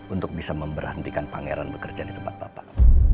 untuk bisa memberhentikan pangeran bekerja di tempat bapak